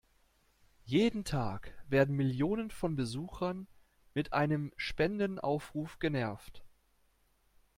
Jeden Tag werden Millionen von Besuchern mit einem Spendenaufruf genervt.